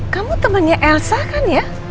kamu temennya elsa kan ya